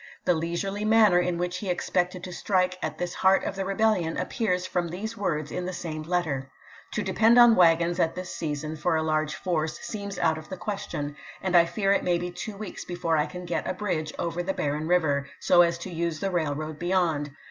The leisurely manner in which he expected to strike at this heart of the rebellion appears from these words in the same letter :" To depend on wagons at this season for a large force seems out of the question, and I fear it may be two weeks before I can get a bridge over the Barren River, so as to use the railroad beyond.